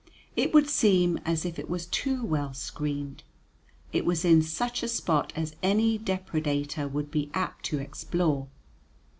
It would seem as if it was too well screened; it was in such a spot as any depredator would be apt to explore.